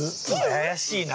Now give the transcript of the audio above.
怪しいな。